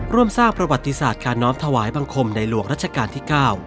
ร่วมสร้างประวัติศาสตร์การน้อมถวายบังคมในหลวงรัชกาลที่๙